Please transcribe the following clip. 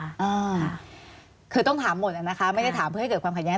อ่าคือต้องถามหมดอ่ะนะคะไม่ได้ถามเพื่อให้เกิดความขัดแย้